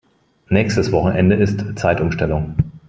Nächstes Wochenende ist Zeitumstellung.